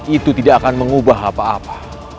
itu tidak akan mengubah apa apa